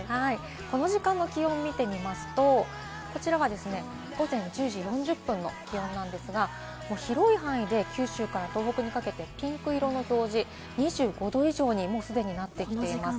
この時間の気温を見てみますと、午前１０時４０分の気温なんですが、広い範囲で九州から東北にかけてピンク色の表示、２５度以上にすでになってきています。